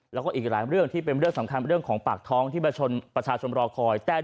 แล้วก็อีกหลายเรื่องที่เป็นเรื่องสำคัญเรื่องของปากท้องที่ประชาชนรอคอย